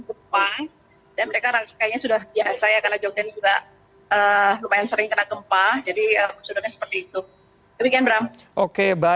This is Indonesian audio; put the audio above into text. oh oke dari pmkg langsung ya pak ya